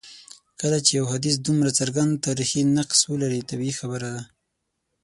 کله چي یو حدیث دومره څرګند تاریخي نقص ولري طبیعي خبره ده.